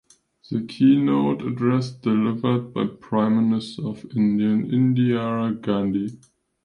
The keynote address delivered by Prime Minister of India Indira Gandhi.